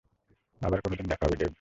আবার কোনদিন দেখা হবে, ডেভ।